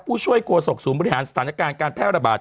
ผู้ช่วยโฆษกศูนย์บริหารสถานการณ์การแพร่ระบาด